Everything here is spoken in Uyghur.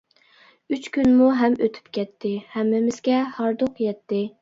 ئۈچ كۈنمۇ ھەم ئۆتۈپ كەتتى، ھەممىمىزگە ھاردۇق يەتتى.